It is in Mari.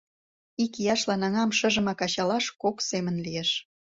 Икияшлан аҥам шыжымак ачалаш кок семын лиеш.